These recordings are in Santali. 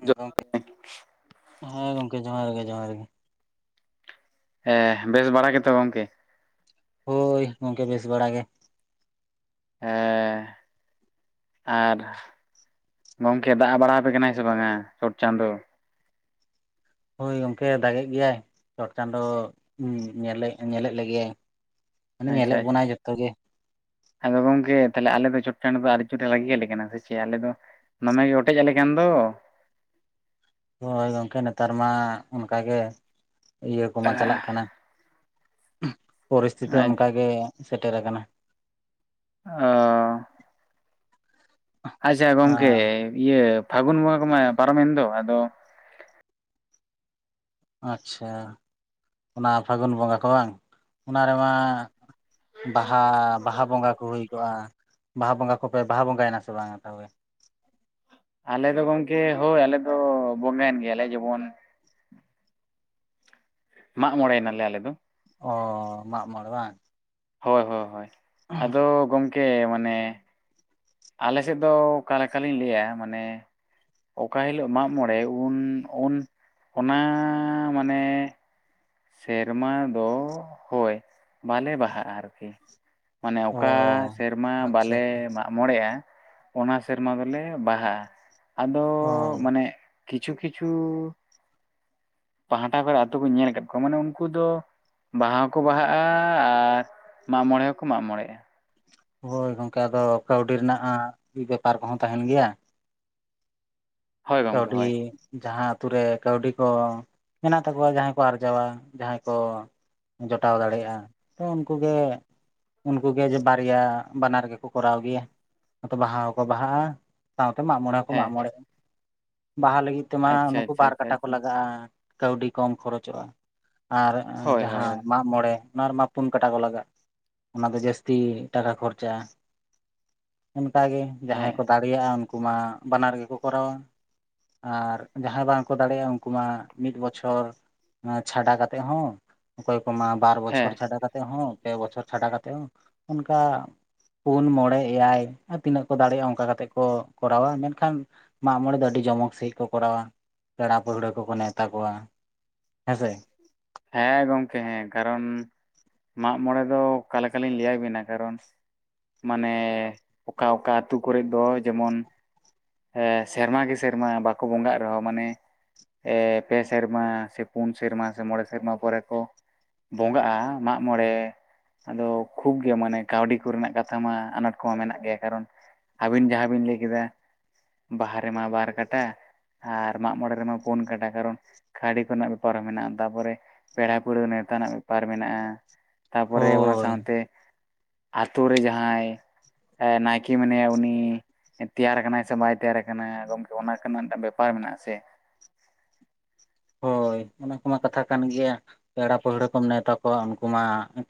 ᱦᱮᱸ ᱜᱚᱝᱠᱮ, ᱦᱮᱸ ᱜᱚᱝᱠᱮ ᱡᱚᱸᱦᱟᱨ ᱜᱮ ᱡᱚᱸᱦᱟᱨ ᱜᱮ ᱾ ᱦᱮᱸ ᱵᱮᱹᱥ ᱵᱟᱲᱟ ᱜᱮᱛᱚ ᱜᱚᱝᱠᱮ? ᱦᱳᱭ ᱜᱚᱝᱠᱮ ᱵᱮ ᱹᱥ ᱵᱟᱲᱟ ᱜᱮ ᱾ ᱦᱮᱸᱻ ᱾ ᱟᱨ ᱜᱚᱝᱠᱮ ᱫᱟᱜ ᱵᱟᱲᱟᱣ ᱟᱯᱮ ᱠᱟᱱᱟᱭ ᱥᱮ ᱵᱟᱝᱟ ᱪᱚᱴ ᱪᱟᱸᱫᱳ? ᱦᱳᱭ ᱜᱚᱝᱠᱮ ᱫᱟᱜ ᱮᱫ ᱜᱮᱭᱟᱭ ᱾ ᱪᱚᱴ ᱪᱟᱸᱫᱳ ᱧᱮᱞᱮ ᱧᱮᱞ ᱮᱫ ᱞᱮᱜᱮᱭᱟᱭ ᱾ ᱟᱪᱪᱷᱟ ᱟᱪᱪᱷᱟ ᱾ ᱟᱫᱚ ᱜᱚᱝᱠᱮ ᱛᱟᱦᱞᱮ ᱟᱞᱮ ᱫᱚ ᱪᱚᱴ ᱪᱟᱸᱫᱳ ᱫᱚ ᱟᱰᱤ ᱪᱩᱴ ᱨᱟᱜᱤ ᱟᱞᱮ ᱠᱟᱱᱟ ᱥᱮ ᱪᱮᱫ ᱟᱞᱮ ᱫᱚ ᱾ ᱫᱚᱢᱮ ᱜᱮ ᱚᱴᱮᱡ ᱟᱞᱮ ᱠᱟᱱ ᱫᱚ ᱾ ᱦᱳᱭ ᱜᱚᱝᱠᱮ ᱱᱮᱛᱟᱨ ᱢᱟ ᱚᱱᱠᱟᱜᱮ ᱤᱭᱟᱹ ᱠᱚᱢᱟ ᱪᱟᱞᱟᱜ ᱠᱟᱱᱟ ᱾ ᱯᱚᱨᱤᱥᱛᱷᱤᱛᱤ ᱚᱱᱠᱟ ᱜᱮ ᱥᱮᱴᱮᱨ ᱟᱠᱟᱱᱟ ᱾ ᱚ ᱾ ᱟᱪᱪᱷᱟ ᱜᱚᱝᱠᱮ ᱤᱭᱟᱹ ᱯᱷᱟᱜᱩᱱ ᱵᱚᱸᱜᱟ ᱠᱚᱢᱟ ᱯᱟᱨᱚᱢᱮᱱ ᱫᱚ, ᱟᱫᱚ ᱟᱪᱪᱷᱟ ᱚᱱᱟ ᱯᱷᱟᱹᱜᱩᱱ ᱵᱚᱸᱜᱟ ᱠᱚ ᱵᱟᱝ ᱚᱱᱟ ᱨᱮᱢᱟ ᱵᱟᱦᱟ ᱵᱟᱦᱟ ᱵᱚᱸᱜᱟ ᱠᱚ ᱦᱩᱭ ᱠᱚᱜᱼᱟ, ᱵᱟᱦᱟ ᱵᱚᱸᱜᱟ ᱠᱚᱯᱮ ᱵᱟᱦᱟ ᱵᱚᱸᱜᱟᱭ ᱮᱱᱟ ᱥᱮ ᱵᱟᱝᱟ ᱛᱚᱵᱮ? ᱟᱞᱮ ᱫᱚ ᱜᱚᱢᱠᱮ ᱦᱳᱭ ᱟᱞᱮ ᱫᱚ ᱵᱚᱸᱜᱟᱭᱮᱱ ᱜᱮᱭᱟ ᱞᱮ ᱡᱮᱢᱚᱱ ᱢᱟᱸᱜ ᱢᱚᱬᱮᱭ ᱱᱟᱞᱮ ᱟᱞᱮ ᱫᱚ ᱾ ᱚ ᱢᱟᱜ ᱢᱚᱬᱮ ᱵᱟᱝ? ᱦᱳᱭ ᱦᱳᱭ ᱦᱳᱭ ᱟᱫᱚ ᱜᱚᱢᱠᱮ ᱢᱟᱱᱮ ᱟᱞᱮ ᱥᱮᱫ ᱫᱚ ᱚᱠᱟ ᱞᱮᱠᱟ ᱞᱤᱧ ᱞᱟᱹᱭᱟ ᱢᱟᱱᱮ ᱚᱠᱟ ᱦᱤᱞᱚᱜ ᱢᱟᱸᱜ ᱢᱚᱬᱮ ᱩᱱ ᱩᱱ ᱚᱱᱟᱻ ᱢᱟᱱᱮ ᱥᱮᱨᱢᱟ ᱫᱚ, ᱦᱳᱭ ᱵᱟᱞᱮ ᱵᱟᱦᱟᱜᱼᱟ ᱟᱨᱠᱤ ᱾ ᱢᱟᱱᱮ ᱚ ᱚᱠᱟ ᱥᱮᱨᱢᱟ ᱟᱪᱪᱷᱟ ᱟᱪᱪᱷᱟ, ᱵᱟᱞᱮ ᱢᱟᱜ ᱢᱚᱬᱮᱜᱼᱟ ᱾ ᱚᱱᱟ ᱥᱮᱨᱢᱟ ᱫᱚᱞᱮ ᱵᱟᱦᱟᱜᱼᱟ ᱟᱫᱚᱻ ᱚ ᱢᱟᱱᱮ ᱠᱤᱪᱷᱩ ᱠᱤᱪᱷᱩ ᱯᱟᱦᱴᱟ ᱠᱚᱨᱮ ᱟᱛᱩ ᱠᱩᱧ ᱧᱮᱞ ᱟᱠᱟᱫ ᱢᱟᱱᱮ ᱩᱱᱠᱩ ᱫᱚ ᱵᱟᱦᱟ ᱦᱚᱸᱠᱚ ᱵᱟᱦᱟᱜᱼᱟ ᱟᱨ ᱢᱟᱜ ᱢᱚᱬᱮ ᱦᱚᱸᱠᱚ ᱢᱟᱜ ᱢᱚᱬᱮᱜᱼᱟ ᱾ ᱦᱳᱭ ᱜᱚᱝᱠᱮ ᱟᱫᱚ ᱠᱟᱹᱣᱰᱤ ᱨᱮᱱᱟᱜ ᱵᱮᱯᱟᱨ ᱠᱚᱦᱚᱸ ᱛᱟᱦᱮᱱ ᱜᱮᱭᱟ ᱾ ᱦᱳᱭ ᱜᱚᱢᱠᱮ ᱠᱟᱹᱣᱰᱤ ᱦᱳᱭ ᱡᱟᱦᱟᱸ ᱟᱛᱩ ᱨᱮ ᱠᱟᱹᱣᱰᱤ ᱠᱚ ᱢᱮᱱᱟᱜ ᱛᱟᱠᱚᱣᱟ ᱡᱟᱦᱟᱸᱭ ᱠᱚ ᱟᱨᱡᱟᱣᱼᱟ, ᱡᱟᱦᱟᱸᱭ ᱠᱚ ᱡᱚᱴᱟᱣ ᱫᱟᱲᱮᱭᱟᱜᱼᱟ, ᱛᱚ ᱩᱱᱠᱩ ᱜᱮ ᱩᱱᱠᱩ ᱜᱮ ᱡᱮ ᱵᱟᱨᱭᱟ ᱵᱟᱱᱟᱨ ᱜᱮᱠᱚ ᱠᱚᱨᱟᱣ ᱜᱮᱭᱟ, ᱱᱚᱛᱮ ᱵᱟᱦᱟ ᱦᱚᱸᱠᱚ ᱵᱟᱦᱟᱜᱼᱟ ᱾ ᱥᱟᱶᱛᱮ ᱢᱟᱸᱜ ᱢᱚᱬᱮ ᱦᱚᱸᱠᱚ ᱦᱮᱸ ᱢᱟᱸᱜ ᱢᱚᱬᱮᱜ-ᱟ ᱾ ᱵᱟᱦᱟ ᱞᱟᱹᱜᱤᱫ ᱛᱮᱢᱟ ᱟᱪᱪᱷᱟ ᱱᱩᱠᱩ ᱟᱪᱪᱷᱟ ᱵᱟᱨ ᱟᱪᱪᱷᱟ ᱠᱟᱴᱟ ᱠᱚ ᱟᱪᱪᱷᱟ ᱞᱟᱜᱟᱜᱼᱟ, ᱠᱟᱹᱣᱰᱤ ᱠᱚᱢ ᱠᱷᱚᱨᱚᱪᱚᱜᱼᱟ ᱾ ᱟᱨ ᱦᱳᱭ ᱡᱟᱦᱟᱸ ᱦᱳᱭ ᱢᱟᱸᱜ ᱢᱚᱬᱮ ᱚᱱᱟ ᱨᱮᱢᱟ ᱯᱩᱱ ᱠᱟᱴᱟ ᱠᱚ ᱞᱟᱜᱟᱜ, ᱚᱱᱟ ᱫᱚ ᱡᱟᱹᱥᱛᱤ ᱴᱟᱠᱟ ᱠᱷᱚᱨᱪᱟᱜᱼᱟ ᱾ [inaudible] ᱚᱱᱠᱟ ᱜᱮ ᱡᱟᱦᱟᱸᱭ ᱦᱮᱸ ᱠᱚ ᱫᱟᱲᱮᱭᱟᱜᱼᱟ ᱩᱱᱠᱩ ᱢᱟ ᱵᱟᱱᱟᱨ ᱜᱮᱠᱚ ᱠᱚᱨᱟᱣᱟ ᱾ ᱟᱨ ᱡᱟᱦᱟᱸᱭ ᱵᱟᱝ ᱠᱚ ᱫᱟᱲᱮᱭᱟᱜᱼᱟ ᱩᱱᱠᱩ ᱢᱟ ᱢᱤᱫ ᱵᱚᱪᱷᱚᱨ ᱪᱷᱟᱰᱟ ᱠᱟᱛᱮᱫ ᱦᱚᱸ ᱾ ᱚᱠᱚᱭ ᱠᱚᱢᱟ ᱵᱟᱨ ᱦᱮᱸ ᱵᱚᱪᱷᱚᱨ ᱪᱷᱟᱰᱟ ᱠᱟᱛᱮᱫ ᱦᱚᱸ ᱯᱮ ᱵᱚᱪᱷᱚᱨ ᱪᱷᱟᱰᱟ ᱠᱟᱛᱮᱫ ᱦᱚᱸ ᱚᱱᱠᱟ ᱯᱩᱱ, ᱢᱚᱬᱮ, ᱮᱭᱟᱭ, ᱟᱨ ᱛᱤᱱᱟᱹᱜ ᱠᱚ ᱫᱟᱲᱮᱭᱟᱜᱼᱟ ᱚᱱᱠᱟ ᱠᱟᱛᱮᱫ ᱠᱚ ᱠᱚᱨᱟᱣᱟ ᱢᱮᱱᱠᱷᱟᱱ ᱢᱟᱸᱜ ᱢᱚᱬᱮ ᱫᱚ ᱟᱹᱰᱤ ᱡᱚᱢᱚᱠ ᱥᱟᱦᱤᱡ ᱠᱚ ᱠᱚᱨᱟᱣᱟ ᱯᱮᱲᱟ ᱯᱟᱹᱲᱦᱟᱹ ᱠᱚᱠᱚ ᱱᱮᱣᱛᱟ ᱠᱚᱣᱟ ᱦᱮᱸᱥᱮ ᱾ ᱦᱮᱸ ᱜᱚᱝᱠᱮ ᱦᱮᱸ ᱠᱟᱨᱚᱱ ᱢᱟᱜ ᱢᱚᱬᱮ ᱫᱚ ᱚᱠᱟ ᱞᱮᱠᱟᱞᱤᱧ ᱞᱟᱹᱭ ᱟᱵᱤᱱᱟ ᱠᱟᱨᱚᱱ ᱢᱟᱱᱮ ᱚᱠᱟ ᱚᱠᱟ ᱟᱹᱛᱩ ᱠᱚᱨᱮ ᱫᱚ ᱡᱮᱢᱚᱱ ᱥᱮᱨᱢᱟ ᱜᱮ ᱥᱮᱨᱢᱟ ᱵᱟᱠᱚ ᱵᱚᱸᱜᱟᱜ ᱨᱮᱦᱚᱸ ᱢᱟᱱᱮ ᱯᱮ ᱥᱮᱨᱢᱟ ᱥᱮ ᱯᱩᱱ ᱥᱮᱨᱢᱟ, ᱥᱮ ᱢᱚᱬᱮ ᱥᱮᱨᱢᱟ ᱯᱚᱨᱮ ᱠᱚ ᱵᱚᱸᱜᱟᱜᱼᱟ ᱢᱟᱜ ᱢᱬᱮ ᱾ ᱟᱫᱚ ᱠᱷᱩᱵ ᱜᱮ ᱢᱟᱱᱮ ᱠᱟᱹᱣᱰᱤ ᱠᱚᱨᱮᱱᱟᱜ ᱠᱟᱛᱷᱟ ᱢᱟ ᱟᱱᱟᱴ ᱠᱚᱢᱟ ᱢᱮᱱᱟᱜ ᱜᱮᱭᱟ ᱠᱟᱨᱚᱱ ᱟᱹᱵᱤᱱ ᱡᱟᱦᱟᱸ ᱵᱤᱱ ᱞᱟᱹᱭ ᱠᱮᱫᱟ᱾ ᱵᱟᱦᱟ ᱨᱮᱢᱟ ᱵᱟᱨ ᱠᱟᱴᱟ ᱟᱨ ᱢᱟᱜ ᱢᱚᱬᱮ ᱨᱮᱢᱟ ᱯᱩᱱ ᱠᱟᱴᱟ ᱠᱟᱨᱚᱱ ᱠᱟᱣᱰᱤ ᱠᱚ ᱨᱮᱱᱟᱜ ᱵᱮᱯᱟᱨ ᱢᱮᱱᱟᱜᱼᱟ᱾ ᱛᱟᱨᱯᱚᱨᱮ ᱯᱮᱲᱟ ᱯᱟᱹᱲᱦᱟᱹ ᱱᱮᱣᱛᱟ ᱨᱮᱱᱟᱜ ᱵᱮᱯᱟᱨ ᱢᱮᱱᱟᱜᱼᱟ᱾ ᱛᱟᱨᱯᱚᱨᱮ ᱚᱱᱟ ᱦᱳᱭ ᱥᱟᱶᱛᱮ ᱟᱛᱳ ᱨᱮ ᱡᱟᱦᱟᱸᱭ ᱱᱟᱭᱠᱮ ᱢᱮᱱᱟᱭᱟ ᱩᱱᱤ ᱛᱮᱭᱟᱨ ᱟᱠᱟᱱᱟᱭ ᱥᱮ ᱵᱟᱭ ᱛᱮᱭᱟᱨ ᱟᱠᱟᱱᱟ ᱜᱚᱢᱠᱮ ᱚᱱᱟ ᱠᱚ ᱨᱮᱱᱟᱜ ᱵᱮᱯᱟᱨ ᱢᱮᱱᱟᱜᱼᱟ ᱥᱮ? ᱦᱳᱭ ᱚᱱᱟ ᱠᱚᱢᱟ ᱠᱟᱛᱷᱟ ᱠᱟᱱ ᱜᱮᱭᱟ᱾ ᱯᱮᱲᱟ ᱯᱟᱹᱲᱦᱟᱹ ᱠᱚᱢ ᱱᱮᱣᱛᱟ ᱠᱚᱣᱟ᱾ ᱩᱱᱠᱩ ᱢᱟ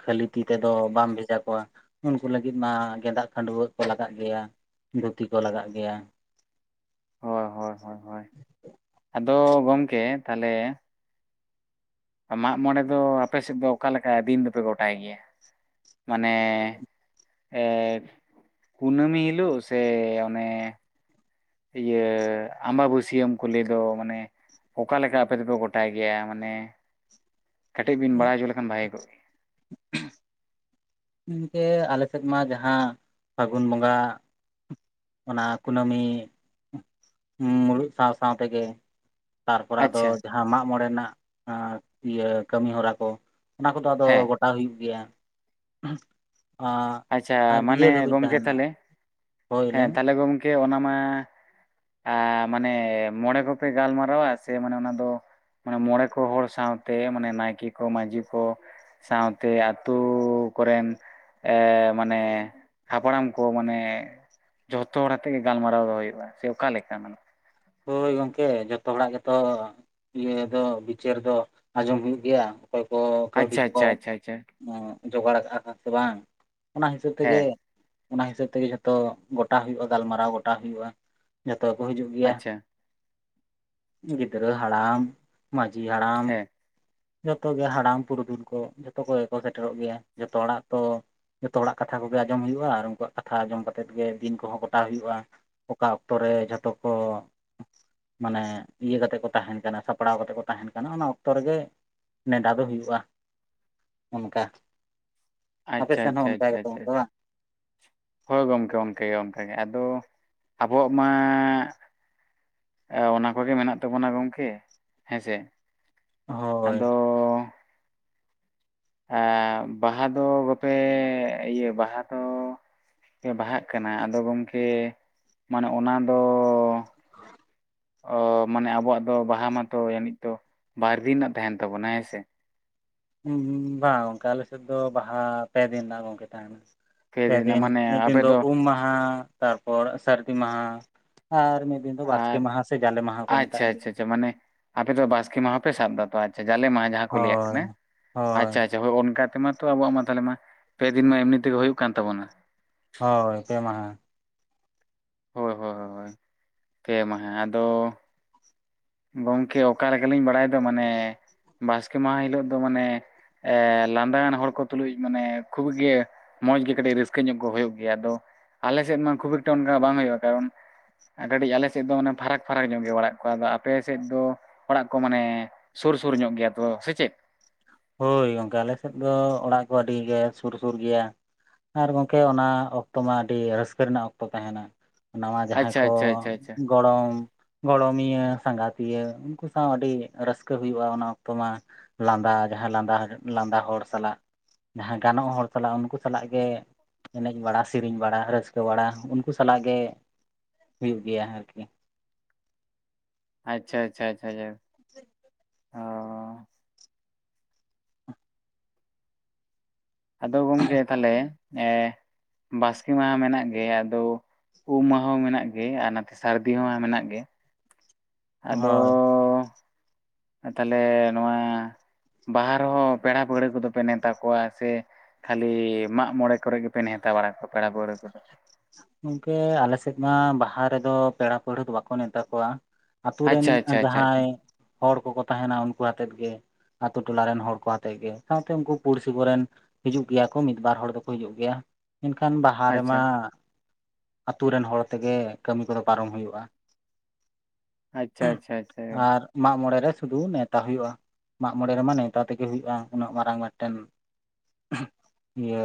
ᱠᱷᱟᱹᱞᱤ ᱛᱤ ᱛᱮᱫᱚ ᱵᱟᱢ ᱵᱷᱮᱡᱟ ᱠᱚᱣᱟ᱾ ᱩᱱᱠᱩ ᱞᱟᱹᱜᱤᱫ ᱢᱟ ᱜᱮᱸᱫᱟᱜ ᱠᱷᱟᱰᱩᱣᱟᱹᱜ ᱠᱚ ᱞᱟᱜᱟᱜ ᱜᱮᱭᱟ, ᱫᱷᱩᱛᱤ ᱠᱚ ᱞᱟᱜᱟᱜ ᱜᱮᱭᱟ᱾ ᱦᱳᱭ ᱦᱳᱭ ᱦᱳᱭ ᱦᱳᱭ ᱟᱫᱚ ᱜᱚᱝᱠᱮ ᱛᱟᱦᱚᱞᱮ ᱢᱟᱜ ᱢᱚᱬᱮ ᱫᱚ ᱟᱯᱮ ᱥᱮᱫ ᱫᱚ ᱚᱠᱟ ᱞᱮᱠᱟ ᱫᱤᱱ ᱫᱚᱯᱮ ᱜᱚᱴᱟᱭ ᱜᱮᱭᱟ? ᱢᱟᱱᱮ ᱮ ᱠᱩᱱᱟᱹᱢᱤ ᱦᱤᱞᱳᱜ ᱥᱮ ᱚᱱᱮ ᱤᱭᱟᱹ ᱟᱢᱵᱟᱼᱵᱟᱹᱥᱭᱟᱹᱢ ᱠᱚ ᱞᱟᱹᱭ ᱫᱚ ᱢᱟᱱᱮ ᱚᱠᱟᱞᱮᱠᱟ ᱟᱯᱮ ᱫᱚᱯᱮ ᱜᱚᱴᱟᱭ ᱜᱮᱭᱟ? ᱢᱟᱱᱮ ᱠᱟᱹᱴᱤᱡ ᱵᱤᱱ ᱵᱟᱲᱟᱭ ᱦᱚᱪᱚ ᱞᱮᱠᱷᱟᱱ ᱵᱷᱟᱜᱤ ᱠᱚᱜᱼᱟ᱾ ᱜᱚᱝᱠᱮ ᱟᱞᱮ ᱥᱮᱫ ᱢᱟ ᱡᱟᱦᱟᱸ ᱯᱷᱟᱹᱜᱩᱱ ᱵᱚᱸᱜᱟ ᱚᱱᱟ ᱠᱩᱱᱟᱹᱢᱤ ᱢᱩᱞᱩᱜ ᱥᱟᱶ ᱥᱟᱶ ᱛᱮᱜᱮ ᱛᱟᱨᱯᱚᱨᱮ ᱟᱫᱚ ᱟᱪᱪᱷᱟ ᱡᱟ ᱦᱟᱸ ᱢᱟᱜ ᱢᱚᱬᱮ ᱨᱮᱱᱟᱜ ᱟᱨ ᱤᱭᱟᱹ ᱠᱟᱹᱢᱤ ᱦᱚᱨᱟ ᱠᱚ ᱚᱱᱟ ᱠᱚᱫᱚ ᱟᱫᱚ ᱦᱮᱸ ᱜᱚᱴ ᱦᱟᱛᱟᱣ ᱦᱩᱭᱩᱜ ᱜᱮᱭᱟ ᱟᱪᱪᱷᱟ ᱟᱨ ᱢᱟᱱᱮ ᱤᱭᱟᱹ ᱫᱷᱟᱹᱵᱤᱡ ᱜᱚᱢᱠᱮ ᱛᱟᱦᱮᱸᱱᱟ ᱛᱟᱦᱚᱞᱮ ᱦᱮᱸ ᱛᱟᱦᱚᱞᱮ ᱜᱚᱢᱠᱮ ᱚᱱᱟ ᱢᱟ ᱢᱟᱱᱮ ᱢᱚᱬᱮ ᱠᱚᱯᱮ ᱜᱟᱞᱢᱟᱨᱟᱣᱟ ᱥᱮ ᱢᱟᱱᱮ ᱚᱱᱟ ᱫᱚ ᱢᱟᱱᱮ ᱢᱚᱬᱮ ᱠᱚ ᱦᱚᱲ ᱥᱟᱶᱛᱮ ᱢᱟᱱᱮ ᱱᱟᱭᱠᱮ ᱠᱚ ᱢᱟᱹᱡᱷᱤ ᱠᱚ ᱥᱟᱶᱛᱮ ᱟᱹᱛᱩᱳ ᱠᱚᱨᱮᱱ ᱮ ᱢᱟᱱᱮ ᱦᱟᱯᱲᱟᱢ ᱠᱚ ᱢᱟᱱᱮ ᱡᱷᱚᱛᱚ ᱦᱚᱲ ᱟᱛᱮᱜ ᱜᱮ ᱜᱟᱞᱢᱟᱨᱟᱣ ᱫᱚ ᱦᱩᱭᱩᱜᱼᱟ ᱥᱮ ᱚᱠᱟ ᱞᱮᱠᱟ ᱢᱟᱱᱮ? ᱦᱳᱭ ᱜᱚᱝᱠᱮ ᱡᱷᱚᱛᱚ ᱦᱚᱲᱟᱜ ᱜᱮᱛᱚ ᱤᱭᱟᱹ ᱫᱚ ᱵᱤᱪᱟᱹᱨ ᱫᱚ ᱟᱸᱡᱚᱢ ᱦᱩᱭᱩᱜ ᱜᱮᱭᱟ᱾ ᱚᱠᱚᱭ ᱠᱟᱹᱣᱰᱤ ᱟᱪᱪᱷᱟ ᱠᱚ ᱟᱪᱪᱷᱟ ᱟᱪᱪᱷᱟ ᱟᱪᱪᱷᱟ ᱚ ᱡᱚᱜᱟᱲ ᱟᱠᱟᱜ ᱠᱚ ᱥᱮ ᱵᱟᱝ ᱚᱱᱟ ᱦᱤᱥᱟᱹᱵ ᱛᱮᱜᱮ ᱦᱮᱸ ᱚᱱᱟ ᱦᱤᱥᱟᱹᱵᱽ ᱛᱮᱜᱮ ᱡᱷᱚᱛᱚ ᱜᱚᱴᱟ ᱦᱩᱭᱩᱜᱼᱟ᱾ ᱜᱟᱞᱢᱟᱨᱟᱣ ᱜᱚᱴᱟ ᱦᱩᱭᱩᱜᱼᱟ, ᱡᱷᱚᱛᱚ ᱠᱚ ᱦᱤᱡᱩᱜ ᱜᱮᱭᱟ᱾ ᱟᱪᱪᱷᱟ ᱜᱤᱫᱽᱨᱟᱹ ᱦᱟᱲᱟᱢ ᱢᱟᱺᱡᱷᱤ ᱦᱟᱲᱟᱢ ᱦᱮᱸ ᱡᱚᱛᱚ ᱜᱮ ᱦᱟᱲᱟᱢ ᱯᱩᱨᱩᱫᱷᱩᱞ ᱠᱚ ᱡᱚᱛᱚ ᱠᱚᱜᱮ ᱠᱚ ᱥᱮᱴᱮᱨᱚᱜ ᱜᱮᱭᱟ᱾ ᱡᱚᱛᱚ ᱦᱚᱲᱟᱜ ᱛᱚ ᱡᱷᱚᱛᱚ ᱦᱚᱲᱟᱜ ᱠᱟᱛᱷᱟ ᱠᱚᱜᱮ ᱟᱸᱡᱚᱢ ᱦᱩᱭᱩᱜᱼᱟ ᱟᱨ ᱩᱱᱠᱩᱣᱟᱜ ᱠᱟᱛᱷᱟ ᱟᱸᱡᱚᱢ ᱠᱟᱛᱮᱜ ᱜᱮ ᱫᱤᱱ ᱠᱚᱦᱚᱸ ᱜᱚᱴᱟᱣ ᱦᱩᱭᱩᱜᱼᱟ᱾ ᱚᱠᱟ ᱚᱠᱛᱚ ᱨᱮ ᱡᱷᱚᱛᱚ ᱠᱚ ᱢᱟᱱᱮ ᱤᱭᱟᱹ ᱠᱟᱛᱮ ᱠᱚ ᱛᱟᱦᱮᱸᱱ ᱠᱟᱱᱟ᱾ ᱥᱟᱯᱲᱟᱣ ᱠᱟᱛᱮ ᱠᱚ ᱛᱟᱦᱮᱱ ᱠᱟᱱᱟ᱾ ᱚᱱᱟ ᱚᱠᱛᱚ ᱨᱮᱜᱮ ᱱᱮᱰᱟ ᱫᱚ ᱦᱩᱭᱩᱜᱼᱟ ᱚᱱᱠᱟ, ᱟᱯᱮ ᱟᱪᱪᱷᱟ ᱥᱮᱱ ᱦᱚᱸ ᱟᱪᱪᱷᱟ ᱚᱱᱠᱟ ᱟᱪᱪᱷᱟ ᱜᱮᱛᱚ ᱟᱪᱪᱷᱟ ᱫᱚ ᱵᱟᱝ? ᱦᱳᱭ ᱜᱚᱝᱠᱮ ᱚᱱᱠᱟ ᱜᱮ ᱚᱱᱠᱟ ᱜᱮ ᱟᱫᱚ ᱟᱵᱚᱣᱟᱜ ᱢᱟ ᱚᱱᱟ ᱠᱚᱜᱮ ᱢᱮᱱᱟᱜ ᱛᱟᱵᱚᱱᱟ ᱜᱚᱝᱠᱮ ᱦᱮᱸᱥᱮ᱾ ᱦᱳᱭ ᱟᱫᱚ ᱮ ᱵᱟᱦᱟ ᱫᱚ ᱵᱟᱯᱮ ᱤᱭᱟᱹ ᱵᱟᱦᱟ ᱫᱚ ᱯᱮ ᱵᱟᱦᱟᱜ ᱠᱟᱱᱟ ᱟᱫᱚ ᱜᱚᱝᱠᱮ ᱢᱟᱱᱮ ᱚᱱᱟ ᱫᱚ [unintelligible] ᱚ ᱢᱟᱱᱮ ᱟᱵᱚᱣᱟᱜ ᱫᱚ ᱵᱟᱦᱟ ᱢᱟᱛᱚ ᱡᱟᱱᱤᱡ ᱛᱚ ᱵᱟᱨ ᱫᱤᱱ ᱨᱮᱱᱟᱜ ᱛᱟᱦᱮᱸᱱ ᱛᱟᱵᱚᱱᱟ ᱦᱮᱸ ᱥᱮ? ᱵᱟᱝ ᱜᱚᱝᱠᱮ ᱟᱞᱮᱥᱮᱫ ᱫᱚ ᱵᱟᱦᱟ ᱯᱮ ᱫᱤᱱ ᱨᱮᱱᱟᱜ ᱜᱚᱝᱠᱮ ᱛᱟᱦᱮᱸᱱᱟ᱾ ᱯᱮ ᱫᱤᱱ ᱨᱮᱱᱟᱜ ᱯᱮᱫᱤᱱ ᱢᱟᱱᱮ ᱢᱤᱫ ᱫᱤᱱ ᱟᱯᱮ ᱫᱚ ᱩᱢ ᱢᱟᱦᱟ ᱛᱟᱨᱯᱚᱨ ᱥᱟᱹᱨᱫᱤ ᱢᱟᱦᱟ ᱟᱨ ᱢᱤᱫ ᱫᱤᱱ ᱫᱚ ᱵᱟᱥᱠᱮ ᱢᱟᱦᱟ ᱥᱮ ᱡᱟᱞᱮ ᱢᱟᱦᱟ ᱠᱚ ᱢᱮᱛᱟᱜ ᱜᱮᱭᱟ᱾ ᱪᱮ ᱢᱟᱱᱮ ᱟᱯᱮᱫᱚ ᱵᱟᱥᱠᱮ ᱢᱟᱦᱟ ᱯᱮ ᱥᱟᱵ ᱠᱟᱫᱟ᱾ ᱛᱚ ᱟᱪᱪᱷᱟ ᱡᱟᱞᱮ ᱢᱟᱦᱟ ᱡᱟᱦᱟᱸ ᱠᱚ ᱞᱟᱹᱭᱟᱜ ᱦᱳᱭ ᱠᱟᱱᱟ᱾ ᱦᱳᱭ ᱟᱪᱪᱷᱟ ᱟᱪᱪᱷᱟ ᱦᱳᱭ ᱚᱱᱠᱟ ᱛᱮᱢᱟ ᱛᱚ ᱟᱵᱚᱣᱟᱜ ᱢᱟ ᱛᱟᱦᱚᱞᱮ ᱢᱟ ᱯᱮ ᱫᱤᱱ ᱢᱟ ᱮᱢᱱᱤ ᱛᱮᱜᱮ ᱦᱩᱭᱩᱜ ᱠᱟᱱ ᱛᱟᱵᱚᱱᱟ᱾ ᱦᱳᱭ ᱯᱮ ᱢᱟᱦᱟ᱾ ᱦᱳᱭ ᱦᱳᱭ ᱦᱳᱭ ᱦᱳᱭ ᱯᱮ ᱢᱟᱦᱟ ᱟᱫᱚ ᱜᱚᱢᱠᱮ ᱚᱠᱟ ᱞᱮᱠᱟᱞᱤᱧ ᱵᱟᱲᱟᱭᱫᱟ ᱢᱟᱱᱮ ᱵᱟᱥᱠᱮ ᱢᱟᱦᱟ ᱦᱤᱞᱳᱜ ᱫᱚ ᱢᱟᱱᱮ ᱮ ᱞᱟᱸᱫᱟ ᱟᱱ ᱦᱚᱲ ᱠᱚ ᱛᱩᱞᱩᱡ ᱢᱟᱱᱮ ᱠᱷᱩᱵᱽ ᱜᱮ ᱢᱚᱸᱡᱽ ᱜᱮ ᱠᱟᱹᱴᱤᱡ ᱨᱟᱹᱥᱠᱟᱹ ᱧᱚᱜ ᱠᱚ ᱦᱩᱭᱩᱜ ᱜᱮᱭᱟ᱾ ᱟᱫᱚ ᱟᱞᱮ ᱥᱮᱫ ᱢᱟ ᱠᱷᱩᱵᱽ ᱮᱠᱴᱟ ᱚᱱᱠᱟ ᱵᱟᱝ ᱦᱩᱭᱩᱜᱼᱟ ᱠᱟᱨᱚᱱ ᱠᱟᱹᱴᱤᱡ ᱟᱞᱮ ᱥᱮᱫ ᱫᱚ ᱢᱟᱱᱮ ᱯᱷᱟᱨᱟᱠ ᱯᱷᱟᱨᱟᱠ ᱧᱚᱜ ᱜᱮ ᱚᱲᱟᱜ ᱠᱚ ᱟᱫᱚ ᱟᱯᱮ ᱥᱮᱫ ᱫᱚ ᱚᱲᱟᱜ ᱠᱚ ᱢᱟᱱᱮ ᱥᱩᱨ ᱥᱩᱨ ᱧᱚᱜ ᱜᱮᱭᱟ ᱛᱚ ᱥᱮ ᱪᱮᱫ? ᱦᱳᱭ ᱜᱚᱝᱠᱮ ᱟᱞᱮᱥᱮᱫ ᱫᱚ ᱚᱲᱟᱜ ᱠᱚ ᱟᱹᱰᱤ ᱜᱮ ᱥᱩᱨ ᱥᱩᱨ ᱜᱮᱭᱟ᱾ ᱟᱨ ᱜᱚᱢᱠᱮ ᱚᱱᱟ ᱚᱠᱛᱚ ᱢᱟ ᱟᱹᱰᱤ ᱨᱟᱹᱥᱠᱟᱹ ᱨᱮᱱᱟᱜ ᱚᱠᱛᱚ ᱛᱟᱦᱮᱱᱟ᱾ ᱱᱟᱣᱟ ᱡᱟᱦᱟᱸᱭ ᱟᱪᱪᱷᱟ ᱠᱚ ᱟᱪᱪᱷᱟ ᱟᱪᱪᱷᱟ ᱟᱪᱪᱷᱟ ᱜᱚᱲᱚᱢ, ᱜᱚᱲᱚᱢᱤᱭᱟᱹ, ᱥᱟᱸᱜᱟᱛᱤᱭᱟᱹ ᱩᱱᱠᱩ ᱥᱟᱶ ᱟᱹᱰᱤ ᱨᱟᱹᱥᱠᱟᱹ ᱦᱩᱭᱩᱜᱼᱟ ᱚᱱᱟ ᱚᱠᱛᱚ ᱢᱟ᱾ ᱞᱟᱸᱫᱟ ᱡᱟᱦᱟᱸᱭ ᱞᱟᱸᱫᱟ ᱞᱟᱸᱫᱟ ᱦᱚᱲ ᱥᱟᱞᱟᱜ᱾ ᱡᱟᱦᱟᱸ ᱜᱟᱱᱚᱜ ᱦᱚᱲ ᱥᱟᱞᱟᱜ ᱩᱱᱠᱩ ᱥᱟᱞᱟᱜ ᱜᱮ, ᱮᱱᱮᱡ ᱵᱟᱲᱟ, ᱥᱮᱨᱮᱧ ᱵᱟᱲᱟ, ᱨᱟᱹᱥᱠᱟᱹ ᱵᱟᱲᱟ ᱩᱱᱠᱩ ᱥᱟᱞᱟᱜ ᱜᱮ ᱦᱩᱭᱩᱜ ᱜᱮᱭᱟ ᱟᱨᱠᱤ᱾ ᱟᱪᱪᱷᱟ ᱟᱪᱪᱷᱟ ᱟᱪᱪᱷᱟ ᱟᱪᱪᱷᱟ ᱡᱟᱲᱦᱳᱠ ᱚ ᱟᱫᱚ ᱜᱚᱢᱠᱮ ᱛᱟᱦᱞᱮ ᱮ ᱵᱟᱥᱠᱮ ᱢᱟᱦᱟ ᱢᱮᱱᱟᱜ ᱜᱮ ᱟᱫᱚ ᱩᱢ ᱢᱟᱦᱟᱸ ᱢᱮᱱᱟᱜ ᱜᱮ ᱟᱨ ᱱᱟᱛᱮ ᱥᱟᱹᱨᱫᱤ ᱦᱚᱸ ᱢᱮᱱᱟᱜ ᱜᱮ ᱟᱫᱚ ᱦᱳᱭ ᱛᱟᱦᱚᱞᱮ ᱱᱚᱣᱟ ᱵᱟᱦᱟ ᱨᱮᱦᱚᱸ ᱯᱮᱲᱟ ᱯᱟᱹᱲᱦᱟᱹ ᱠᱚᱫᱚᱯᱮ ᱱᱮᱶᱛᱟ ᱠᱚᱣᱟ ᱥᱮ ᱠᱷᱟᱹᱞᱤ ᱢᱟᱜ ᱢᱚᱬᱮ ᱠᱚᱨᱮ ᱜᱮᱯᱮ ᱱᱮᱣᱛᱟ ᱵᱟᱲᱟ ᱠᱚᱣᱟ ᱯᱮᱲᱟ ᱯᱟᱹᱲᱦᱟᱹ ᱠᱚᱫᱚ᱾ ᱜᱚᱢᱠᱮ ᱟᱞᱮᱥᱮᱫ ᱢᱟ ᱵᱟᱦᱟ ᱨᱮᱫᱚ ᱯᱮᱲᱟ ᱯᱟᱹᱲᱦᱟᱹ ᱫᱚ ᱵᱟᱠᱚ ᱱᱮᱶᱛᱟ ᱠᱚᱣᱟ᱾ ᱟᱛᱳ ᱨᱮᱱ ᱟᱪᱪᱷᱟ ᱟᱪᱪᱷᱟ ᱟᱪᱪᱷᱟ ᱟᱪᱪᱷᱟ ᱡᱟᱦᱟᱸᱭ ᱦᱚᱲ ᱠᱚᱠᱚ ᱛᱟᱦᱮᱱᱟ ᱩᱱᱠᱩ ᱟᱛᱮᱫ ᱜᱮ᱾ ᱟᱛᱳ ᱴᱚᱞᱟ ᱨᱮᱱ ᱦᱚᱲ ᱠᱚ ᱟᱛᱮᱫ ᱜᱮ ᱥᱟᱶᱛᱮ ᱩᱱᱠᱩ ᱯᱩᱲᱥᱤ ᱠᱚᱨᱮᱱ ᱦᱤᱡᱩᱜ ᱜᱮᱭᱟ ᱠᱚ ᱢᱤᱫᱵᱟᱨ ᱦᱚᱲ ᱫᱚᱠᱚ ᱦᱤᱡᱩᱜ ᱜᱮᱭᱟ ᱢᱮᱱᱠᱷᱟᱱ ᱵᱟᱦᱟ ᱟᱪᱪᱷᱟ ᱨᱮᱢᱟ᱾ ᱟᱛᱳ ᱨᱮᱱ ᱦᱚᱲ ᱛᱮᱜᱮ ᱠᱟᱹᱢᱤ ᱠᱚᱫᱚ ᱯᱟᱨᱚᱢ ᱦᱩᱭᱩᱜᱼᱟ᱾ ᱟᱪᱷᱟ ᱟᱪᱷᱟ ᱟᱪᱷᱟ ᱢᱟᱜᱽ ᱢᱚᱬᱮ ᱨᱮ ᱥᱩᱫᱷᱩ ᱱᱮᱣᱛᱟ ᱦᱩᱭᱩᱜ-ᱟ᱾ ᱢᱟᱜᱽ ᱢᱚᱬᱮ ᱨᱮᱢᱟ ᱱᱮᱣᱛᱟ ᱛᱮᱜᱮ ᱦᱩᱭᱩᱜᱼᱟ, ᱩᱱᱟᱹᱜ ᱢᱟᱨᱟᱝ ᱢᱤᱫᱴᱮᱱ ᱤᱭᱟᱹ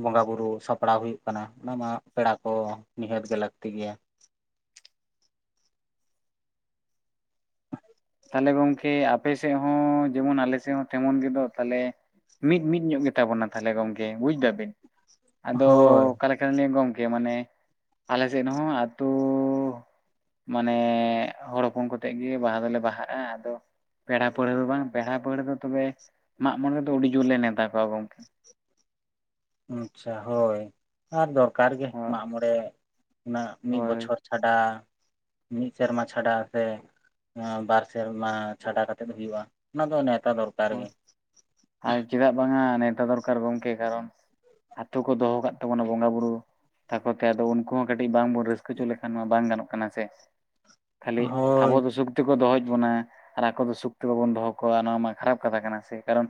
ᱵᱚᱸᱜᱟ ᱵᱩᱨᱩ ᱥᱟᱯᱲᱟᱣ ᱦᱩᱭᱩᱜ ᱠᱟᱱᱟ ᱚᱱᱟ ᱢᱟ, ᱯᱮᱲᱟ ᱠᱚ ᱱᱤᱦᱟᱹᱛ ᱜᱮ ᱞᱟᱹᱠᱛᱤ ᱜᱮᱭᱟ᱾ ᱛᱟᱦᱞᱮ ᱜᱚᱝᱠᱮ ᱟᱯᱮ ᱥᱮᱫ ᱦᱚᱸ ᱡᱮᱢᱚᱱ ᱟᱞᱮ ᱥᱮᱫ ᱦᱚᱸ ᱛᱮᱢᱚᱱ ᱜᱮᱫᱚᱜ ᱛᱟᱦᱞᱮ ᱢᱤᱫ ᱢᱤᱫ ᱧᱚᱜ ᱜᱮᱛᱟ ᱵᱚᱱᱟ ᱛᱟᱦᱚᱞᱮ ᱜᱚᱝᱠᱮ ᱵᱩᱡᱽ ᱫᱟ ᱵᱤᱱ ᱟᱫᱚ ᱦᱳᱭ ᱚᱠᱟ ᱮᱠᱷᱟᱱ ᱜᱚᱝᱠᱮ ᱢᱟᱱᱮ ᱟᱞᱮ ᱥᱮᱫ ᱦᱚᱸ ᱟᱹᱛᱩ ᱢᱟᱱᱮ ᱦᱚᱲ ᱦᱚᱯᱚᱱ ᱠᱚᱛᱮ ᱜᱮ ᱵᱟᱦᱟ ᱫᱚᱞᱮ ᱵᱟᱦᱟᱜᱼᱟ, ᱟᱫᱚ ᱯᱮᱲᱟ ᱯᱟᱹᱲᱦᱟᱹ ᱫᱚ ᱵᱟᱝ ᱯᱮᱲᱟ ᱯᱟᱹᱲᱦᱟᱹ ᱫᱚ ᱛᱚᱵᱮ ᱢᱟᱜᱽ ᱢᱚᱬᱮ ᱫᱚ ᱟᱹᱰᱤ ᱡᱳᱨ ᱞᱮ ᱱᱮᱛᱟ ᱠᱚᱣᱟ ᱜᱚᱝᱠᱮ ᱟᱪᱷᱟ ᱦᱳᱭ ᱟᱨ ᱫᱚᱨᱠᱟᱨ ᱜᱮ ᱦᱳᱭ ᱢᱟᱜ ᱢᱚᱬᱮ ᱚᱱᱟ ᱢᱤᱫ ᱦᱳᱭ ᱵᱚᱪᱷᱚᱨ ᱪᱷᱟᱰᱟ ᱢᱤᱫ ᱥᱮᱨᱢᱟ ᱪᱷᱟᱰᱟ ᱥᱮ ᱵᱟᱨ ᱥᱮᱨᱢᱟ ᱪᱷᱟᱰᱟ ᱠᱟᱛᱮᱜ ᱦᱩᱭᱩᱜᱼᱟ᱾ ᱚᱱᱟ ᱫᱚ ᱱᱮᱶᱛᱟ ᱫᱚᱨᱠᱟᱨ ᱜᱮ ᱟᱨ ᱪᱮᱫᱟᱜ ᱵᱟᱝᱟ ᱱᱮᱣᱛᱟ ᱫᱚᱨᱠᱟᱨ ᱜᱚᱢᱠᱮ ᱠᱟᱨᱚᱱ ᱟᱛᱳ ᱠᱚ ᱫᱚᱦᱚ ᱠᱟᱜ ᱛᱟᱵᱚᱱᱟ ᱵᱚᱸᱜᱟ ᱵᱩᱨᱩ ᱛᱟᱠᱚ ᱛᱮ ᱟᱫᱚ ᱩᱱᱠᱩ ᱦᱚᱸ ᱠᱟᱹᱴᱤᱡ ᱵᱟᱝ ᱵᱚ ᱨᱟᱹᱥᱠᱟᱹ ᱦᱚᱪᱚ ᱞᱮᱠᱷᱟᱱ ᱢᱟ ᱵᱟᱝ ᱜᱟᱱᱚᱜ ᱠᱟᱱᱟ ᱥᱮ ᱠᱷᱟᱹᱞᱤ ᱦᱳᱭ ᱟᱵᱚ ᱫᱚ ᱥᱩᱠ ᱛᱮ ᱠᱚ ᱫᱚᱦᱚᱭᱮᱫ ᱵᱚᱱᱟ᱾ ᱟᱨ ᱟᱠᱚ ᱫᱚ ᱥᱩᱠ ᱛᱮ ᱵᱟᱵᱚᱱ ᱫᱚᱦᱚ ᱠᱚᱣᱟ ᱱᱚᱣᱟ ᱢᱟ ᱠᱷᱟᱨᱟᱯ ᱠᱟᱛᱷᱟ ᱠᱟᱱᱟ ᱥᱮ ᱠᱟᱨᱚᱱ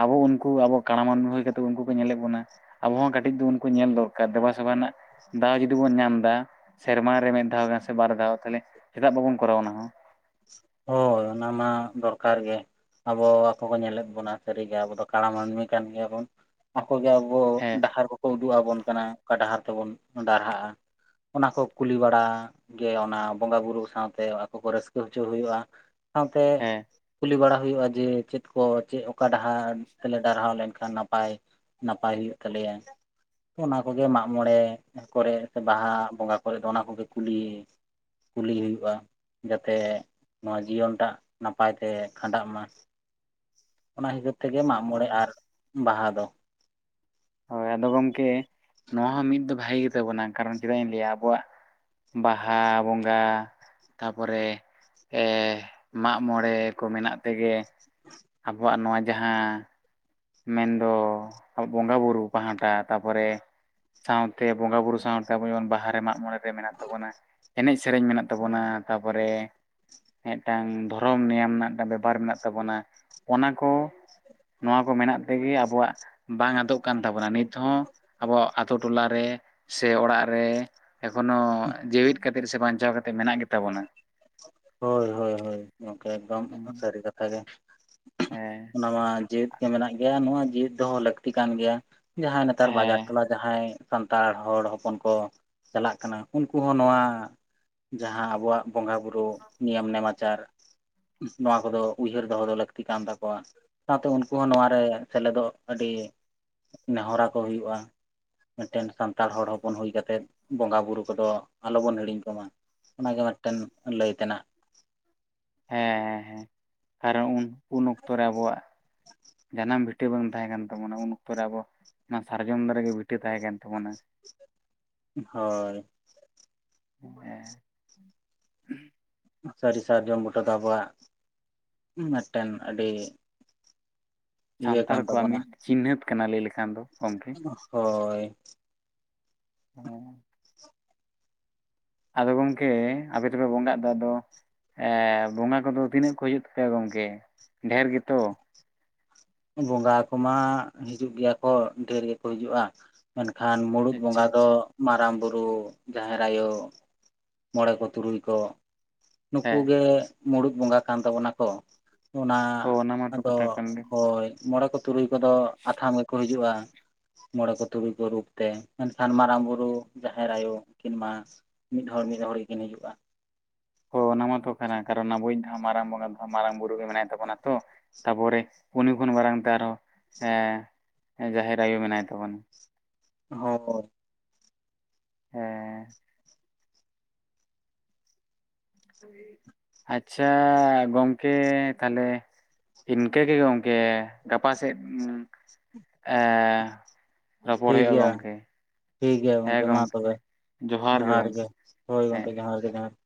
ᱟᱵᱚ ᱩᱱᱠᱩ ᱟᱵᱚᱣᱟᱜ ᱠᱟᱬᱟᱢ ᱢᱟᱹᱱᱢᱤ ᱦᱩᱭ ᱠᱟᱛᱮ ᱩᱱᱠᱩ ᱠᱚ ᱧᱮᱞᱮᱫ ᱵᱚᱱᱟ᱾ ᱟᱵᱚ ᱦᱚᱸ ᱠᱟᱹᱴᱤᱡ ᱫᱚ ᱩᱱᱠᱩ ᱧᱮᱞ ᱫᱚᱨᱠᱟᱨ ᱫᱮᱵᱟ ᱥᱮᱵᱟ ᱨᱮᱱᱟᱜ ᱫᱟᱣ ᱡᱩᱫᱤ ᱵᱚᱱ ᱧᱟᱢ ᱮᱫᱟ᱾ ᱥᱮᱨᱢᱟ ᱨᱮ ᱢᱤᱫ ᱫᱷᱟᱣ ᱥᱮ ᱵᱟᱨ ᱫᱷᱟᱣ ᱛᱟᱦᱞᱮ ᱪᱮᱫᱟᱜ ᱵᱟᱵᱚᱱ ᱠᱚᱨᱟᱣ ᱚᱱᱟ ᱦᱚᱸ᱾ ᱦᱳᱭ ᱚᱱᱟ ᱢᱟ ᱫᱚᱨᱠᱟᱨ ᱜᱮ, ᱟᱵᱚ ᱟᱠᱚ ᱠᱚ ᱧᱮᱞᱮᱫ ᱵᱚᱱᱟ ᱥᱟᱹᱨᱤᱜᱮ ᱟᱵᱚ ᱫᱚ ᱠᱟᱲᱟ ᱢᱟᱹᱱᱢᱤ ᱠᱟᱱ ᱜᱮᱭᱟᱵᱚᱱ᱾ ᱟᱠᱚ ᱜᱮ ᱟᱵᱚ ᱦᱮᱸ ᱰᱟᱦᱟᱨ ᱠᱚᱠᱚ ᱩᱫᱩᱜ ᱟᱵᱚᱱ ᱠᱟᱱᱟ ᱚᱱᱠᱟ ᱰᱟᱦᱟᱨ ᱛᱮᱵᱚᱱ ᱰᱟᱨᱦᱟᱜᱼᱟ᱾ ᱚᱱᱟ ᱠᱚ ᱠᱩᱞᱤ ᱵᱟᱲᱟ ᱜᱮ ᱚᱱᱟ ᱵᱚᱸᱜᱟ ᱵᱩᱨᱩ ᱥᱟᱶᱛᱮ ᱟᱠᱚ ᱠᱚ ᱨᱟᱹᱥᱠᱟᱹ ᱦᱚᱪᱚ ᱦᱚᱪᱚ ᱦᱩᱭᱩᱜᱼᱟ, ᱥᱟᱶᱛᱮ ᱦᱮᱸ ᱠᱩᱞᱤ ᱵᱟᱲᱟ ᱦᱩᱭᱩᱜᱼᱟ, ᱡᱮ ᱪᱮᱫ ᱠᱚ ᱪᱮᱫ ᱚᱠᱟ ᱰᱟᱦᱟᱨ ᱛᱮᱞᱮ ᱰᱟᱨᱦᱟᱣ ᱞᱮᱱᱠᱷᱟᱱ ᱱᱟᱯᱟᱭ ᱱᱟᱯᱟᱭ ᱦᱩᱭᱩᱜ ᱛᱟᱞᱮᱭᱟ᱾ ᱚᱱᱟ ᱠᱚᱜᱮ ᱢᱟᱜ ᱢᱚᱬᱮ ᱠᱚᱨᱮ ᱥᱮ ᱵᱟᱦᱟ ᱵᱚᱸᱜᱟ ᱠᱚᱨᱮᱫ ᱫᱚ ᱚᱱᱟ ᱠᱚᱜᱮ ᱠᱩᱞᱤ ᱠᱩᱞᱤ ᱦᱩᱭᱩᱜᱼᱟ ᱡᱟᱛᱮ ᱱᱚᱣᱟ ᱡᱤᱭᱚᱱ ᱴᱟᱜ ᱱᱟᱯᱟᱭ ᱛᱮ ᱠᱷᱟᱸᱰᱟᱜ ᱢᱟ ᱾ ᱚᱱᱟ ᱦᱤᱥᱟᱹᱵᱽ ᱛᱮᱜᱮ ᱢᱟᱜ ᱢᱚᱬᱮ ᱟᱨ ᱵᱟᱦᱟ ᱫᱚ ᱾ ᱦᱳᱭ ᱟᱫᱚ ᱜᱚᱢᱠᱮ ᱱᱚᱣᱟ ᱦᱚᱸ ᱢᱤᱫ ᱫᱚ ᱵᱷᱟᱜᱤ ᱜᱮ ᱛᱟᱵᱚᱱᱟ, ᱠᱟᱨᱚᱱ ᱪᱮᱫᱟᱜ ᱤᱧ ᱞᱟᱹᱭᱟ ᱟᱵᱚᱣᱟᱜ ᱵᱟᱦᱟ ᱵᱚᱸᱜᱟ ᱛᱟᱯᱚᱨᱮ ᱮᱸ ᱢᱟᱜᱽ ᱢᱚᱬᱮ ᱠᱚ ᱢᱮᱱᱟᱜ ᱛᱮᱜᱮ [inaudible] ᱟᱵᱚᱣᱟᱜ ᱱᱚᱣᱟ ᱡᱟᱦᱟᱸ ᱢᱮᱱᱫᱚ ᱵᱚᱸᱜᱟ ᱵᱩᱨᱩ ᱯᱟᱦᱴᱟ, ᱛᱟᱯᱚᱨᱮ ᱥᱟᱶᱛᱮ ᱵᱚᱸᱜᱟ ᱵᱩᱨᱩ ᱥᱟᱶᱛᱮ ᱟᱵᱚ ᱡᱮᱢᱚᱱ ᱵᱟᱦᱟ ᱨᱮ ᱢᱟᱜ ᱢᱚᱬᱮ ᱨᱮ ᱢᱮᱱᱟᱜ ᱛᱟᱵᱚᱱᱟ ᱮᱱᱮᱡ ᱥᱮᱨᱮᱧ ᱢᱮᱱᱟᱜ ᱛᱟᱵᱚᱱᱟ ᱾ ᱛᱟᱯᱚᱨᱮ ᱢᱤᱫᱴᱟᱝ ᱫᱷᱚᱨᱚᱢ ᱱᱮᱭᱟᱢ ᱨᱮᱱᱟᱜ ᱢᱤᱫᱴᱟᱝ ᱵᱮᱵᱚᱦᱟᱨ ᱢᱮᱱᱟᱜ ᱛᱟᱵᱚᱱᱟ ᱾ ᱚᱱᱟ ᱠᱚ ᱱᱚᱣᱟ ᱠᱚ ᱢᱮᱱᱟᱜ ᱛᱮᱜᱮ ᱟᱵᱚᱣᱟᱜ ᱵᱟᱝ ᱟᱫᱚᱜ ᱠᱟᱱ ᱛᱟᱵᱚᱱᱟ ᱱᱤᱛ ᱦᱚᱸ ᱟᱵᱚᱣᱟᱜ ᱟᱛᱳ ᱴᱚᱞᱟ ᱨᱮ ᱥᱮ ᱚᱲᱟᱜ ᱨᱮ ᱮᱠᱷᱚᱱᱚ ᱡᱮᱣᱮᱫ ᱠᱟᱛᱮᱜ ᱥᱮ ᱵᱟᱧᱪᱟᱣ ᱠᱟᱛᱮᱫ ᱢᱮᱱᱟᱜ ᱜᱮ ᱛᱟᱵᱚᱱᱟ ᱾ ᱦᱳᱭ ᱦᱳᱭ ᱦᱳᱭ ᱜᱚᱢᱠᱮ, ᱮᱠᱫᱚᱢ ᱥᱟᱹᱨᱤ ᱠᱟᱛᱷᱟ ᱜᱮ ᱦᱮᱸ ᱾ ᱚᱱᱟᱢᱟ ᱡᱮᱫ ᱢᱮᱱᱟᱜ ᱜᱮᱭᱟ ᱱᱚᱣᱟ ᱡᱤᱣᱮᱫ ᱫᱚᱦᱚ ᱞᱟᱹᱠᱛᱤ ᱠᱟᱱ ᱜᱮᱭᱟ ᱾ ᱡᱟᱦᱟᱸᱭ ᱱᱮᱛᱟᱨ ᱵᱟᱡᱟᱨ ᱦᱮᱸ ᱴᱚᱞᱟ ᱡᱟᱦᱟᱸᱭ ᱥᱟᱱᱛᱟᱲ ᱦᱚᱲ ᱦᱚᱯᱚᱱ ᱠᱚ ᱪᱟᱞᱟᱜ ᱠᱟᱱᱟ ᱩᱱᱠᱩ ᱦᱚᱸ ᱱᱚᱣᱟ ᱡᱟᱦᱟᱸ ᱟᱵᱚᱣᱟᱜ ᱵᱚᱸᱜᱟ ᱵᱩᱨᱩ, ᱱᱤᱭᱚᱢ ᱱᱮᱢᱟᱪᱟᱨ ᱱᱚᱣᱟ ᱠᱚᱫᱚ ᱩᱭᱦᱟᱹᱨ ᱫᱚᱦᱚ ᱫᱚ ᱞᱟᱹᱠᱛᱤ ᱠᱟᱱ ᱛᱟᱠᱚᱣᱟ ᱾ ᱥᱟᱶᱛᱮ ᱩᱱᱠᱩ ᱦᱚᱸ ᱱᱚᱣᱟ ᱨᱮ ᱥᱮᱞᱮᱫᱚᱜ ᱟᱹᱰᱤ ᱱᱮᱦᱚᱨᱟ ᱟᱠᱚ ᱦᱩᱭᱩᱜᱼᱟ ᱾ ᱢᱤᱫᱴᱮᱱ ᱥᱟᱱᱛᱟᱲ ᱦᱚᱲ ᱦᱚᱯᱚᱱ ᱦᱩᱭ ᱠᱟᱛᱮᱫ ᱵᱚᱸᱜᱟ ᱵᱩᱨᱩ ᱠᱚᱫᱚ ᱟᱞᱚ ᱵᱚᱱ ᱦᱤᱲᱤᱧ ᱠᱚᱢᱟ ᱾ ᱚᱱᱟᱜᱮ ᱢᱤᱫᱴᱮᱱ ᱞᱟᱹᱭ ᱛᱮᱱᱟᱜ ᱾ ᱦᱮᱸ ᱦᱮᱸ ᱦᱮᱸ, ᱟᱨ ᱩᱱ ᱚᱠᱛᱚ ᱨᱮ ᱟᱵᱚᱣᱟᱜ ᱡᱟᱱᱟᱢ ᱵᱷᱤᱴᱟᱹ ᱵᱟᱝ ᱛᱟᱦᱮᱸ ᱠᱟᱱ ᱛᱟᱵᱚᱱᱟ ᱾ ᱩᱱ ᱚᱠᱛᱚ ᱨᱮ ᱟᱵᱚ ᱚᱱᱟ ᱥᱟᱨᱡᱚᱢ ᱫᱟᱨᱮ ᱜᱮ ᱵᱷᱤᱴᱟᱹ ᱛᱟᱦᱮᱸ ᱠᱟᱱ ᱛᱟᱵᱚᱱᱟ ᱾ ᱦᱳᱭ ᱾ ᱦᱮᱸ ᱾ ᱥᱟᱹᱨᱤ ᱥᱟᱨᱡᱚᱢ ᱵᱩᱴᱟᱹ ᱫᱚ ᱟᱵᱚᱣᱟᱜ ᱢᱤᱫᱴᱮᱱ ᱟᱹᱰᱤ ᱤᱭᱟᱹ ᱥᱟᱱᱛᱟᱲ ᱠᱟᱱ ᱠᱚᱣᱟᱜ ᱛᱟᱵᱚᱱᱟ ᱢᱤᱫ ᱪᱤᱱᱦᱟᱹᱛ ᱠᱟᱱᱟ ᱞᱟᱹᱭ ᱞᱮᱠᱷᱟᱱ ᱫᱚ ᱾ ᱦᱳᱭ ᱾ ᱦᱮᱸ ᱾ ᱟᱫᱚ ᱜᱚᱝᱠᱮ ᱟᱯᱮ ᱫᱚᱯᱮ ᱵᱚᱸᱜᱟᱜ ᱫᱚ ᱟᱫᱚ ᱮ, ᱵᱚᱸᱜᱟ ᱠᱚᱫᱚ ᱛᱤᱱᱟᱹᱜ ᱠᱚ ᱦᱤᱡᱩᱜ ᱛᱟᱯᱮᱭᱟ ᱜᱚᱝᱠᱮ ᱰᱷᱮᱨ ᱜᱮᱛᱚ? ᱵᱚᱸᱜᱟ ᱠᱚᱢᱟ ᱦᱤᱡᱩᱜ ᱜᱮᱭᱟ ᱠᱚ ᱰᱷᱮᱨ ᱜᱮᱠᱚ ᱦᱤᱡᱩᱜᱼᱟ ᱾ ᱢᱮᱱᱠᱷᱟᱱ ᱢᱩᱲᱩᱫ ᱟᱪᱪᱷᱟ ᱵᱚᱸᱜᱟ ᱫᱚ ᱟᱪᱪᱷᱟ ᱢᱟᱨᱟᱝ ᱵᱩᱨᱩ, ᱡᱟᱦᱮᱨ ᱟᱭᱳ, ᱢᱚᱬᱮ ᱠᱚ ᱛᱩᱨᱩᱭ ᱠᱚ ᱾ ᱱᱩᱠᱩ ᱦᱮᱸ ᱜᱮ ᱢᱩᱲᱩᱫ ᱵᱚᱸᱜᱟ ᱠᱟᱱ ᱛᱟᱵᱚᱱᱟ ᱠᱚ ᱾ ᱚᱱᱟ ᱦᱳᱭ ᱚᱱᱟ ᱢᱟᱛᱚ ᱟᱫᱚ ᱠᱟᱛᱷᱟ ᱠᱟᱱ ᱜᱮ ᱦᱳᱭ ᱾ ᱢᱚᱬᱮ ᱠᱚ ᱛᱩᱨᱩᱭ ᱠᱚᱫᱚ ᱟᱛᱷᱟᱢ ᱜᱮᱠᱚ ᱦᱤᱡᱩᱜᱼᱟ ᱾ ᱢᱚᱬᱮ ᱠᱚ ᱛᱩᱨᱩᱭ ᱠᱚ ᱨᱩᱯ ᱛᱮ ᱾ ᱢᱮᱱᱠᱷᱟᱱ ᱢᱟᱨᱟᱝ ᱵᱩᱨᱩ ᱡᱟᱦᱮᱨ ᱟᱭᱳ ᱩᱱᱠᱤᱱᱢᱟ ᱢᱤᱫ ᱦᱚᱲ ᱢᱤᱫ ᱦᱚᱲ ᱜᱮᱠᱤᱱ ᱦᱤᱡᱩᱜᱼᱟ ᱾ ᱦᱳᱭ ᱚᱱᱟ ᱢᱟᱛᱚ ᱠᱟᱱᱟ, ᱠᱟᱨᱚᱱ ᱟᱵᱚᱭᱤᱡ ᱫᱚ ᱦᱟᱜ ᱢᱟᱨᱟᱝ ᱵᱚᱸᱜᱟ ᱫᱚ ᱢᱟᱨᱟᱝ ᱵᱩᱨᱩ ᱜᱮ ᱢᱮᱱᱟᱭ ᱛᱟᱵᱚᱱᱟ ᱾ ᱛᱚ ᱛᱟᱯᱚᱨᱮ ᱩᱱᱤ ᱠᱷᱚᱱ ᱢᱟᱨᱟᱝ ᱛᱮ ᱟᱨᱦᱚᱸ ᱮ ᱡᱟᱦᱮᱨ ᱟᱭᱳ ᱢᱮᱱᱟᱭ ᱛᱟᱵᱚᱱᱟ ᱾ [unintelligible] ᱦᱮᱸ ᱾ ᱟᱨᱮ ᱟᱪᱪᱷᱟ, ᱜᱚᱝᱠᱮ ᱛᱟᱦᱚᱞᱮ ᱤᱱᱠᱟᱹ ᱜᱮ ᱜᱚᱢᱠᱮ, ᱜᱟᱯᱟ ᱥᱮᱫ ᱮ ᱨᱚᱯᱚᱲ ᱴᱷᱤᱠ ᱦᱩᱭᱩᱜᱼᱟ ᱜᱮᱭᱟ ᱜᱚᱝᱠᱮ ᱾ ᱴᱷᱤᱠ ᱜᱮᱭᱟ ᱜᱚᱝᱠᱮ ᱢᱟ ᱛᱚᱵᱮ ᱡᱚᱦᱟᱨ ᱜᱮ, ᱦᱳᱭ ᱦᱮᱸ ᱜᱚᱢᱠᱮ ᱡᱚᱦᱟᱨ ᱜᱮ ᱡᱚᱦᱟᱨ ᱾